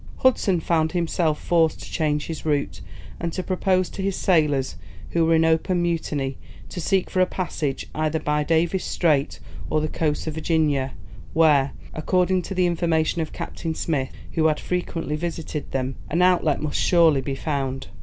Hudson found himself forced to change his route, and to propose to his sailors, who were in open mutiny, to seek for a passage, either by Davis' Strait, or the coasts of Virginia, where, according to the information of Captain Smith, who had frequently visited them, an outlet must surely be found.